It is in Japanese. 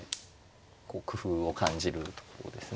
こう工夫を感じるところですね。